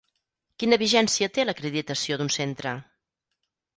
Quina vigència té l'acreditació d'un centre?